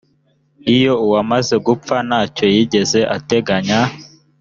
iyo uwamaze gupfa ntacyo yigeze ateganya